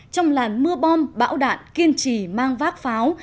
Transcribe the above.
trong làn mưa bom bão đạn kiên trì mang vác pháo